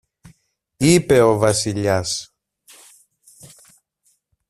είπε ο Βασιλιάς.